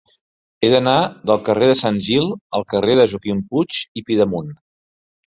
He d'anar del carrer de Sant Gil al carrer de Joaquim Puig i Pidemunt.